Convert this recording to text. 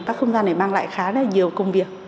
các không gian này mang lại khá là nhiều công việc